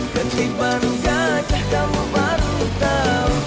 ketibaan gajah kamu baru tahu